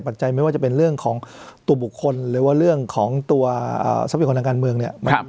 จัยไม่ว่าจะเป็นเรื่องของตัวบุคคลหรือว่าเรื่องของตัวทรัพยากรทางการเมืองเนี่ย